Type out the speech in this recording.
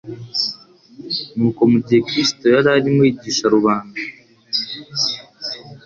Nuko mu gihe Kristo yari arimo yigisha rubanda,